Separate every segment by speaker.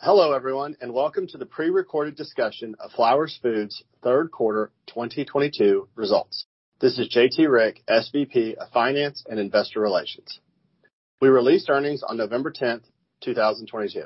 Speaker 1: Hello, everyone, and welcome to the prerecorded discussion of Flowers Foods Q3 2022 results. This is J.T. Rieck, SVP of Finance and Investor Relations. We released earnings on November 10th, 2022.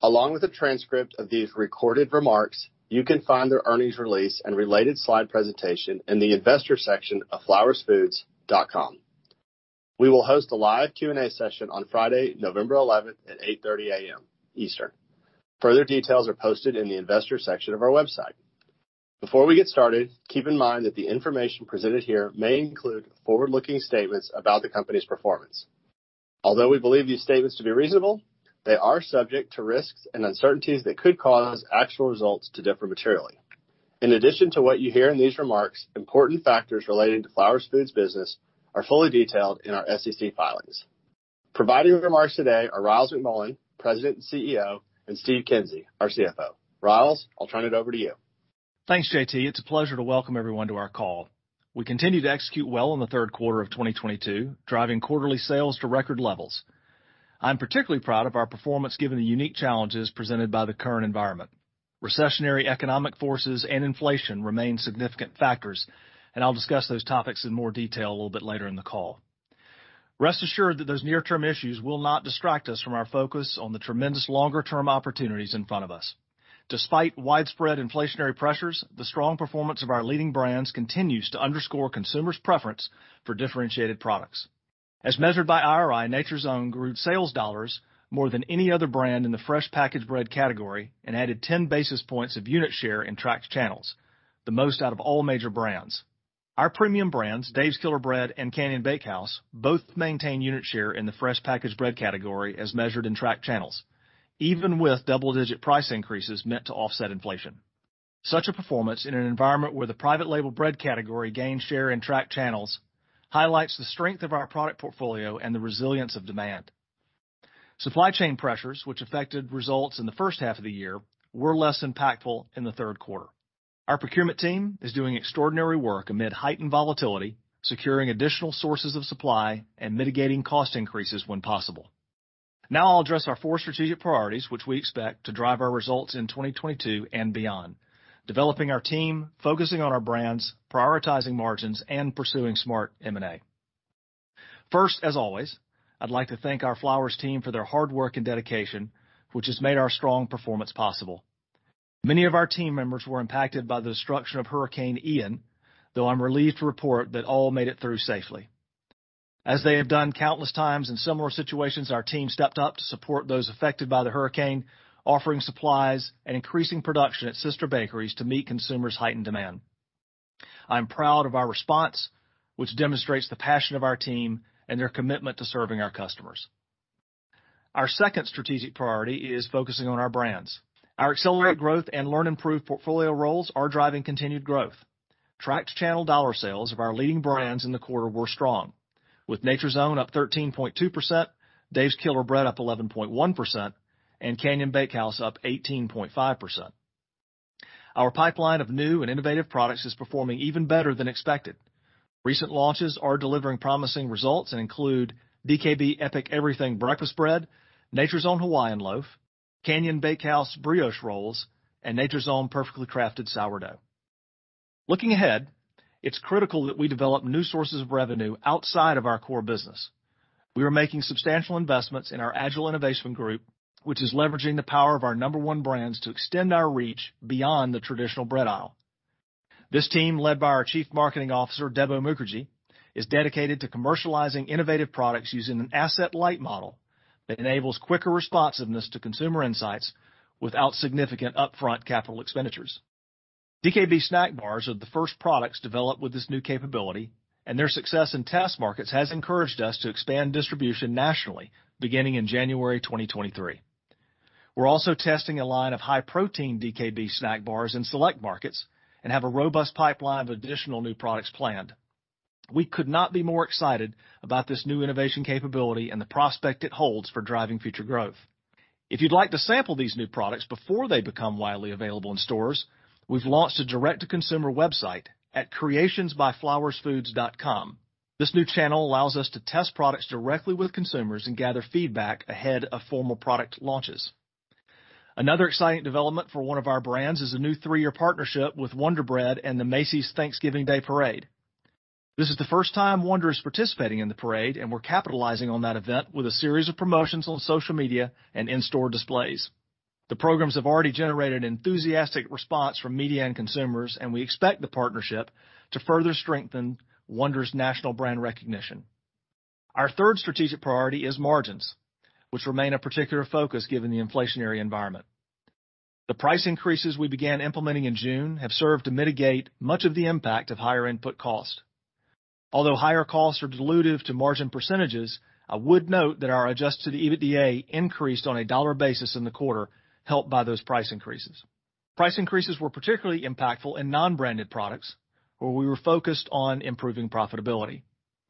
Speaker 1: Along with a transcript of these recorded remarks, you can find their earnings release and related slide presentation in the investor section of flowersfoods.com. We will host a live Q&A session on Friday, November 11th at 8:30 A.M. Eastern. Further details are posted in the investor section of our website. Before we get started, keep in mind that the information presented here may include forward-looking statements about the company's performance. Although we believe these statements to be reasonable, they are subject to risks and uncertainties that could cause actual results to differ materially. In addition to what you hear in these remarks, important factors relating to Flowers Foods' business are fully detailed in our SEC filings. Providing remarks today are Ryals McMullian, President and CEO, and Steve Kinsey, our CFO. Ryals, I'll turn it over to you.
Speaker 2: Thanks, J.T.. It's a pleasure to welcome everyone to our call. We continue to execute well in the Q3 of 2022, driving quarterly sales to record levels. I'm particularly proud of our performance given the unique challenges presented by the current environment. Recessionary economic forces and inflation remain significant factors, and I'll discuss those topics in more detail a little bit later in the call. Rest assured that those near-term issues will not distract us from our focus on the tremendous longer term opportunities in front of us. Despite widespread inflationary pressures, the strong performance of our leading brands continues to underscore consumers' preference for differentiated products. As measured by IRI, Nature's Own grew sales dollars more than any other brand in the fresh packaged bread category and added 10 basis points of unit share in tracked channels, the most out of all major brands. Our premium brands, Dave's Killer Bread and Canyon Bakehouse, both maintain unit share in the fresh packaged bread category as measured in tracked channels, even with double-digit price increases meant to offset inflation. Such a performance in an environment where the private label bread category gains share in tracked channels highlights the strength of our product portfolio and the resilience of demand. Supply chain pressures which affected results in the H1 of the year were less impactful in the Q3. Our procurement team is doing extraordinary work amid heightened volatility, securing additional sources of supply and mitigating cost increases when possible. Now I'll address our four strategic priorities, which we expect to drive our results in 2022 and beyond, developing our team, focusing on our brands, prioritizing margins, and pursuing smart M&A. First, as always, I'd like to thank our Flowers team for their hard work and dedication, which has made our strong performance possible. Many of our team members were impacted by the destruction of Hurricane Ian, though I'm relieved to report that all made it through safely. As they have done countless times in similar situations, our team stepped up to support those affected by the hurricane, offering supplies and increasing production at sister bakeries to meet consumers' heightened demand. I'm proud of our response, which demonstrates the passion of our team and their commitment to serving our customers. Our second strategic priority is focusing on our brands. Our accelerated growth and leaner improved portfolio roles are driving continued growth. Tracked channel dollar sales of our leading brands in the quarter were strong, with Nature's Own up 13.2%, Dave's Killer Bread up 11.1%, and Canyon Bakehouse up 18.5%. Our pipeline of new and innovative products is performing even better than expected. Recent launches are delivering promising results and include DKB Epic Everything Breakfast Bread, Nature's Own Hawaiian Loaf, Canyon Bakehouse Brioche Rolls, and Nature's Own Perfectly Crafted Sourdough. Looking ahead, it's critical that we develop new sources of revenue outside of our core business. We are making substantial investments in our agile innovation group, which is leveraging the power of our number one brands to extend our reach beyond the traditional bread aisle. This team, led by our Chief Marketing Officer, Debo Mukherjee, is dedicated to commercializing innovative products using an asset-light model that enables quicker responsiveness to consumer insights without significant upfront capital expenditures. DKB Snack Bars are the first products developed with this new capability, and their success in test markets has encouraged us to expand distribution nationally beginning in January 2023. We're also testing a line of high-protein DKB Snack Bars in select markets and have a robust pipeline of additional new products planned. We could not be more excited about this new innovation capability and the prospect it holds for driving future growth. If you'd like to sample these new products before they become widely available in stores, we've launched a direct-to-consumer website at creationsbyflowersfoods.com. This new channel allows us to test products directly with consumers and gather feedback ahead of formal product launches. Another exciting development for one of our brands is a new three-year partnership with Wonder Bread and the Macy's Thanksgiving Day Parade. This is the first time Wonder is participating in the parade, and we're capitalizing on that event with a series of promotions on social media and in-store displays. The programs have already generated enthusiastic response from media and consumers, and we expect the partnership to further strengthen Wonder's national brand recognition. Our third strategic priority is margins, which remain a particular focus given the inflationary environment. The price increases we began implementing in June have served to mitigate much of the impact of higher input cost. Although higher costs are dilutive to margin percentages, I would note that our adjusted EBITDA increased on a dollar basis in the quarter, helped by those price increases. Price increases were particularly impactful in non-branded products, where we were focused on improving profitability.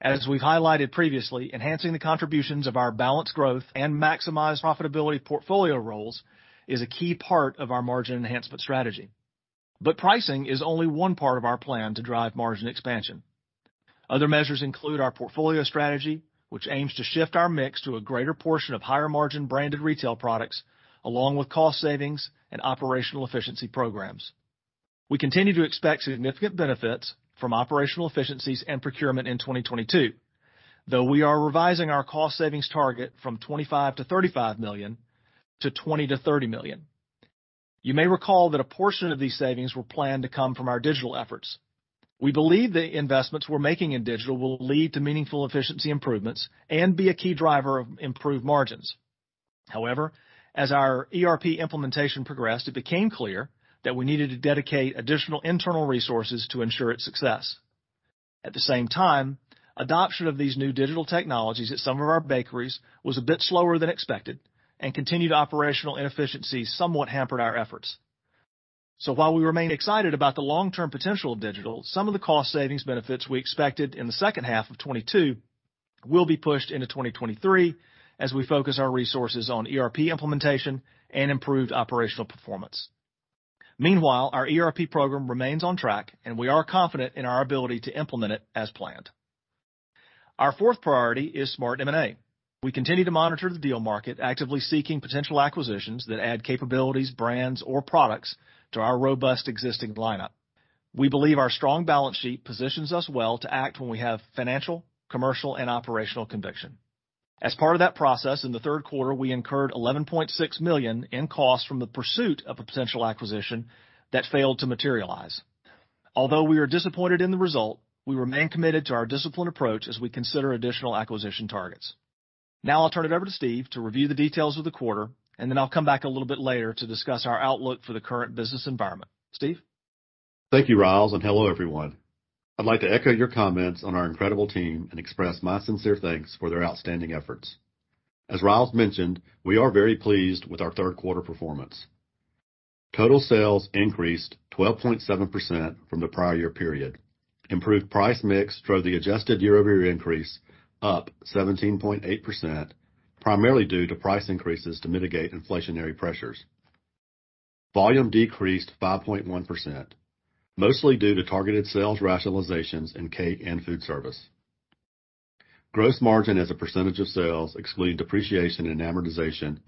Speaker 2: As we've highlighted previously, enhancing the contributions of our balanced growth and maximize profitability portfolio roles is a key part of our margin enhancement strategy. Pricing is only one part of our plan to drive margin expansion. Other measures include our portfolio strategy, which aims to shift our mix to a greater portion of higher margin branded retail products, along with cost savings and operational efficiency programs. We continue to expect significant benefits from operational efficiencies and procurement in 2022, though we are revising our cost savings target from $25 million-$35 million to $20 million-$30 million. You may recall that a portion of these savings were planned to come from our digital efforts. We believe the investments we're making in digital will lead to meaningful efficiency improvements and be a key driver of improved margins. However, as our ERP implementation progressed, it became clear that we needed to dedicate additional internal resources to ensure its success. At the same time, adoption of these new digital technologies at some of our bakeries was a bit slower than expected and continued operational inefficiencies somewhat hampered our efforts. While we remain excited about the long-term potential of digital, some of the cost savings benefits we expected in the H2 of 2022 will be pushed into 2023 as we focus our resources on ERP implementation and improved operational performance. Meanwhile, our ERP program remains on track and we are confident in our ability to implement it as planned. Our fourth priority is smart M&A. We continue to monitor the deal market, actively seeking potential acquisitions that add capabilities, brands, or products to our robust existing lineup. We believe our strong balance sheet positions us well to act when we have financial, commercial, and operational conviction. As part of that process, in the Q3, we incurred $11.6 million in costs from the pursuit of a potential acquisition that failed to materialize. Although we are disappointed in the result, we remain committed to our disciplined approach as we consider additional acquisition targets. Now I'll turn it over to Steve to review the details of the quarter, and then I'll come back a little bit later to discuss our outlook for the current business environment. Steve?
Speaker 3: Thank you, Ryals, and hello, everyone. I'd like to echo your comments on our incredible team and express my sincere thanks for their outstanding efforts. As Ryals mentioned, we are very pleased with our Q3 performance. Total sales increased 12.7% from the prior year period. Improved price mix drove the adjusted year-over-year increase up 17.8%, primarily due to price increases to mitigate inflationary pressures. Volume decreased 5.1%, mostly due to targeted sales rationalizations in cake and food service. Gross margin as a percentage of sales, excluding depreciation and amortization,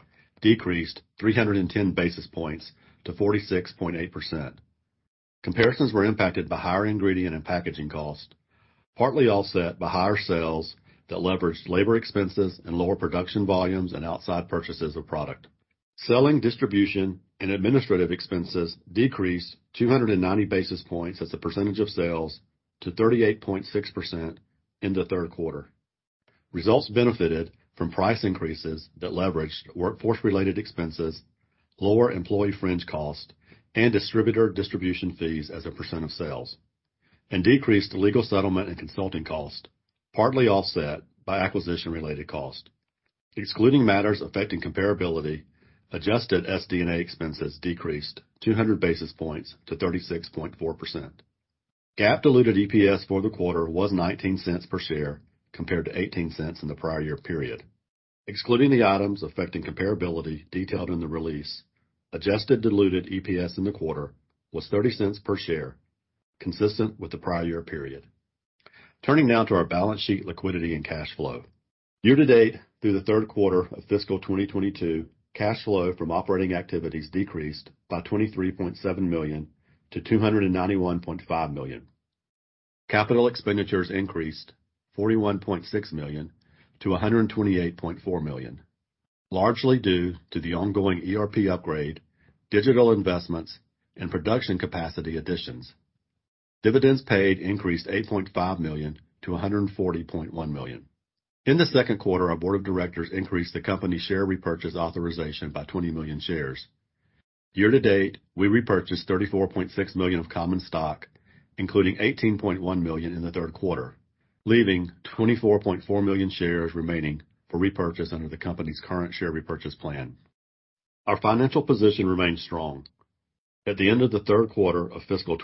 Speaker 3: decreased 310 basis points to 46.8%. Comparisons were impacted by higher ingredient and packaging cost, partly offset by higher sales that leveraged labor expenses and lower production volumes and outside purchases of product. Selling, distribution, and administrative expenses decreased 290 basis points as a percentage of sales to 38.6% in the Q3. Results benefited from price increases that leveraged workforce-related expenses, lower employee fringe cost, and distributor distribution fees as a percent of sales, and decreased legal settlement and consulting cost, partly offset by acquisition-related cost. Excluding matters affecting comparability, adjusted SD&A expenses decreased 200 basis points to 36.4%. GAAP diluted EPS for the quarter was $0.19 per share, compared to $0.18 in the prior year period. Excluding the items affecting comparability detailed in the release, adjusted diluted EPS in the quarter was $0.30 per share, consistent with the prior year period. Turning now to our balance sheet liquidity and cash flow. Year to date through the Q3 of fiscal 2022, cash flow from operating activities decreased by $23.7 million-$291.5 million. Capital expenditures increased $41.6 million-$128.4 million, largely due to the ongoing ERP upgrade, digital investments, and production capacity additions. Dividends paid increased $8.5 million-$140.1 million. In the Q2, our board of directors increased the company's share repurchase authorization by 20 million shares. Year to date, we repurchased 34.6 million of common stock, including 18.1 million in the Q3, leaving 24.4 million shares remaining for repurchase under the company's current share repurchase plan. Our financial position remains strong. At the end of the Q3 of fiscal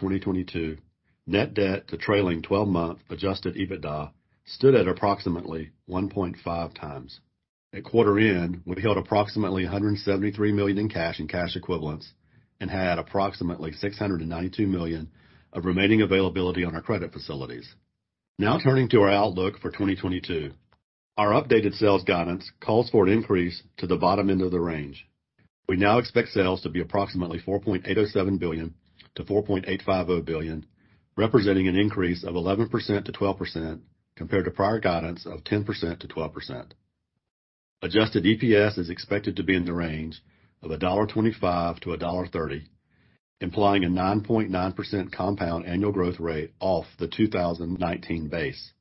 Speaker 3: 2022, net debt to trailing twelve-month adjusted EBITDA stood at approximately 1.5x. At quarter end, we held approximately $173 million in cash and cash equivalents and had approximately $692 million of remaining availability on our credit facilities. Now turning to our outlook for 2022. Our updated sales guidance calls for an increase to the bottom end of the range. We now expect sales to be approximately $4.807 billion-$4.85 billion, representing an increase of 11%-12% compared to prior guidance of 10%-12%. Adjusted EPS is expected to be in the range of $1.25-$1.30, implying a 9.9% compound annual growth rate off the 2019 base.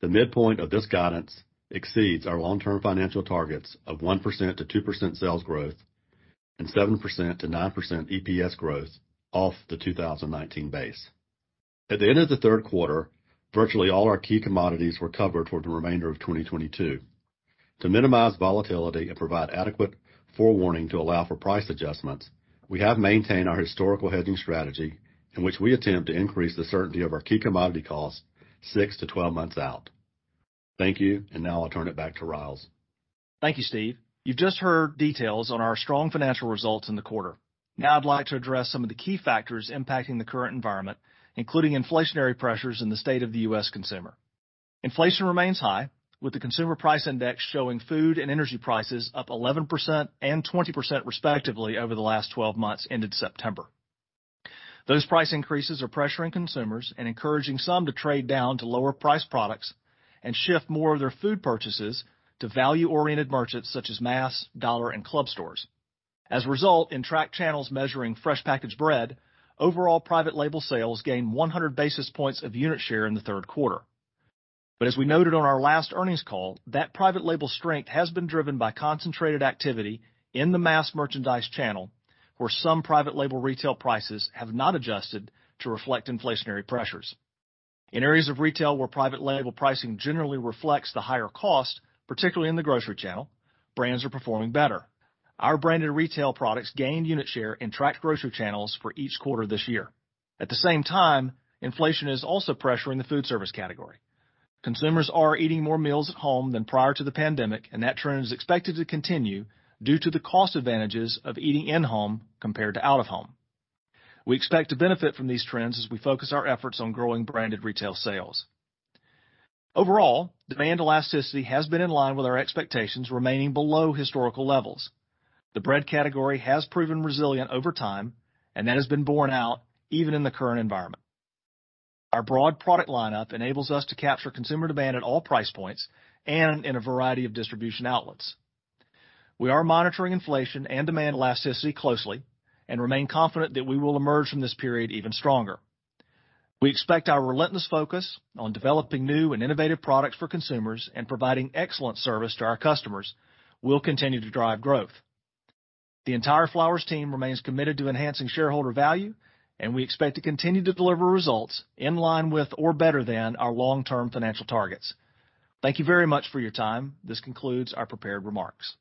Speaker 3: The midpoint of this guidance exceeds our long-term financial targets of 1%-2% sales growth and 7%-9% EPS growth off the 2019 base. At the end of the Q3, virtually all our key commodities were covered for the remainder of 2022. To minimize volatility and provide adequate forewarning to allow for price adjustments, we have maintained our historical hedging strategy in which we attempt to increase the certainty of our key commodity costs 6-12 months out. Thank you. Now I'll turn it back to Ryals.
Speaker 2: Thank you, Steve. You've just heard details on our strong financial results in the quarter. Now I'd like to address some of the key factors impacting the current environment, including inflationary pressures and the state of the U.S. consumer. Inflation remains high, with the Consumer Price Index showing food and energy prices up 11% and 20% respectively over the last 12 months ended September. Those price increases are pressuring consumers and encouraging some to trade down to lower priced products and shift more of their food purchases to value-oriented merchants such as mass, dollar, and club stores. As a result, in tracked channels measuring fresh packaged bread, overall private label sales gained 100 basis points of unit share in the Q3. As we noted on our last earnings call, that private label strength has been driven by concentrated activity in the mass merchandise channel, where some private label retail prices have not adjusted to reflect inflationary pressures. In areas of retail where private label pricing generally reflects the higher cost, particularly in the grocery channel, brands are performing better. Our branded retail products gained unit share in tracked grocery channels for each quarter this year. At the same time, inflation is also pressuring the food service category. Consumers are eating more meals at home than prior to the pandemic, and that trend is expected to continue due to the cost advantages of eating in-home compared to out-of-home. We expect to benefit from these trends as we focus our efforts on growing branded retail sales. Overall, demand elasticity has been in line with our expectations remaining below historical levels. The bread category has proven resilient over time, and that has been borne out even in the current environment. Our broad product lineup enables us to capture consumer demand at all price points and in a variety of distribution outlets. We are monitoring inflation and demand elasticity closely and remain confident that we will emerge from this period even stronger. We expect our relentless focus on developing new and innovative products for consumers and providing excellent service to our customers will continue to drive growth. The entire Flowers team remains committed to enhancing shareholder value, and we expect to continue to deliver results in line with or better than our long-term financial targets. Thank you very much for your time. This concludes our prepared remarks.